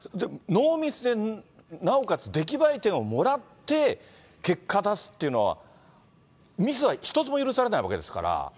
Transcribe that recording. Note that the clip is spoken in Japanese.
ノーミスで、なおかつ出来栄え点をもらって、結果出すっていうのは、ミスは一つも許されないわけですから。